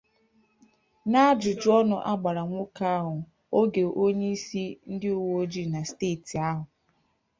n'ajụjụọnụ a gbara nwoke ahụ oge onyeisi ndị uweojii na steeti ahụ